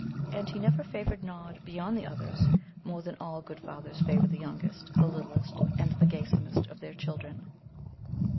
And he never favoured Nod beyond the others more than all good fathers favour the youngest, the littlest, and the gaysomest of their children.